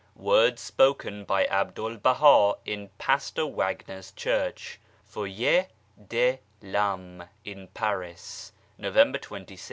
WORDS SPOKEN BY ABDUL BAHA IN PASTOR WAGNER'S CHURCH (FOYER DE L'AME) IN PARIS November 26th.